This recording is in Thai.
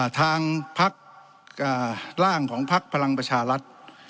ทางร่างของพลักษณ์พลังประชารัฐ